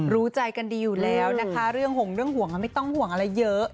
รู้ใจกันดีอยู่แล้วนะคะเรื่องห่วงเรื่องห่วงไม่ต้องห่วงอะไรเยอะ